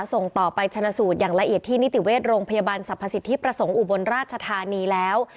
ส่งต่อไปชนะสูตรอย่างละเอียดที่นิติเวชโรงพยาบาลสรรพสิทธิประสงค์อุบลราชธานีแล้ว